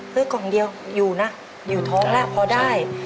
กล่องเดียวอยู่นะอยู่ท้องแล้วพอได้